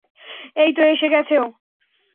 এইতো এসে গেছে ও।